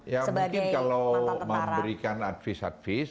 ya mungkin kalau memberikan advice advice